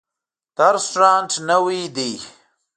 دا رستورانت نوی ده